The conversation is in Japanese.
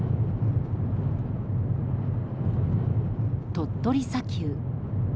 鳥取砂丘。